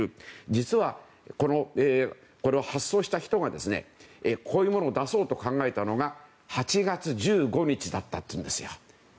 実は、これを発想した人がこういうものを出そうと考えたのが８月１５日だったというんです。